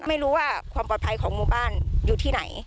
ไม่รู้ว่าความปลอดภัยของหมู่บ้านอยู่ที่ไหน